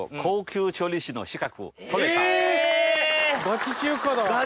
ガチ中華。